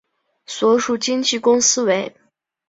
所属经纪公司为。